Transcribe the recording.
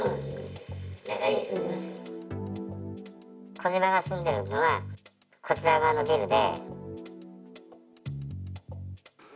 小島が住んでいるのはこちら側のビルで。